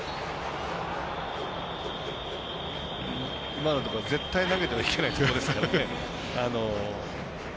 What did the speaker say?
今のところは絶対に投げてはいけないところですからね。